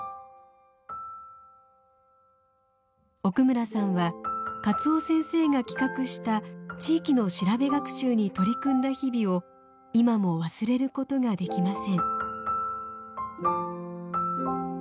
奥村さんは勝尾先生が企画した地域の調べ学習に取り組んだ日々を今も忘れることができません。